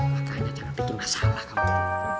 makanya jangan bikin masalah kamu